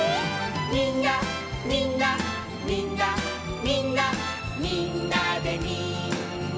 「みんなみんなみんなみんなみんなでみんな」